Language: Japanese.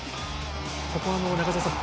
ここは中澤さん